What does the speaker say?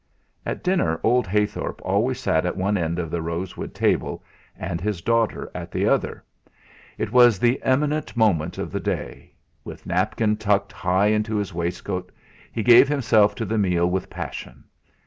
At dinner, old Heythorp always sat at one end of the rosewood table and his daughter at the other. It was the eminent moment of the day. With napkin tucked high into his waistcoat, he gave himself to the meal with passion.